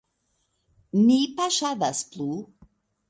Ni paŝadas plu.